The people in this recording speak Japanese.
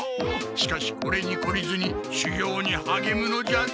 しかしこれにこりずにしゅぎょうにはげむのじゃぞ